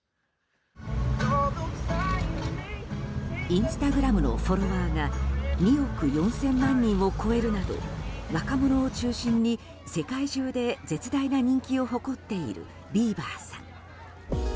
インスタグラムのフォロワーが２億４０００万人を超えるなど若者を中心に世界中で絶大な人気を誇っているビーバーさん。